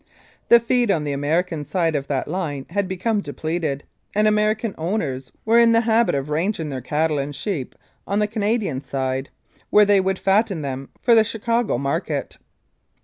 The feed on the American side of that line had become depleted, and American owners were in the habit of ranging their cattle and sheep on the Canadian side, where they would fatten them for the Chicago market.